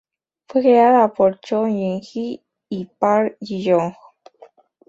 Fue creada por Choi Jin-hee y Park Ji-young.